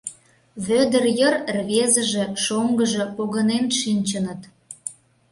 Вӧдыр йыр рвезыже, шоҥгыжо погынен шинчыныт.